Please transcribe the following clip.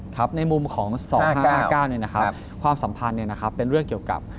ครับในมุมของ๒๕๕๙ความสัมพันธ์เป็นเรื่องเกี่ยวกับ